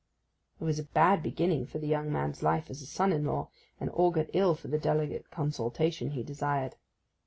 It was a bad beginning for the young man's life as a son in law, and augured ill for the delicate consultation he desired.